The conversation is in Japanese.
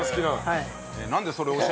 はい。